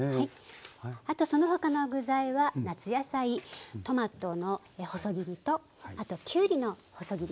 あとその他の具材は夏野菜トマトの細切りときゅうりの細切り。